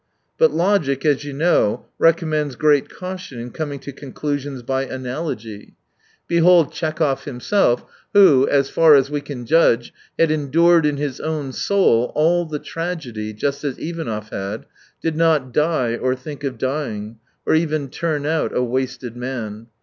But logic, as you know, recommends great caution in conaing to conclusions by analogy. 92 Behold Tchekhov himself, who, as far as wc can judge, had endured in his own soul all the tragedy, just as Ivanov had, did not die or think of dying, or even turn out a wasted man.